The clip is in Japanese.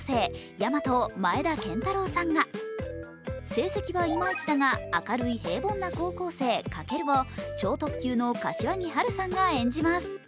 ヤマトを前田拳太郎さんが成績はいまいちだが明るく平凡な高校生カケルを超特急の柏木悠さんが演じます。